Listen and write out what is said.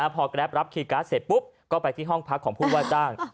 พอแกรปรับคีย์การ์ดเสร็จปุ๊บก็ไปที่ห้องพักของผู้ว่าจ้าง